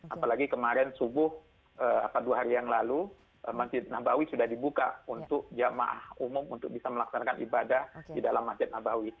apalagi kemarin subuh dua hari yang lalu masjid nabawi sudah dibuka untuk jamaah umum untuk bisa melaksanakan ibadah di dalam masjid nabawi